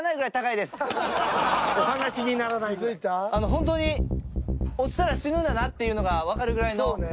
ホントに落ちたら死ぬんだなっていうのが分かるぐらいの高さありますね。